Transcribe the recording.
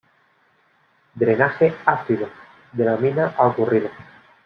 Drenaje ácido de la mina ha ocurrido.